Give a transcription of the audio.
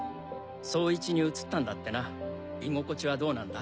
捜一に移ったんだってな居心地はどうなんだ？